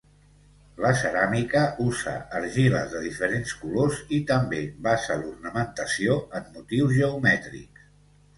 La ceràmica usa argiles de diferents colors i també basa l'ornamentació en motius geomètrics.